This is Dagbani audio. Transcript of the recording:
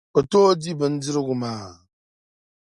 O tooi di bindirigu maa?